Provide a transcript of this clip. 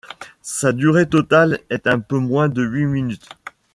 Sa durée totale est un peu moins de huit minutes.